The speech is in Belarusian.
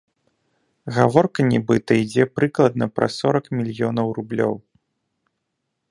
Гаворка, нібыта, ідзе прыкладна пра сорак мільёнаў рублёў.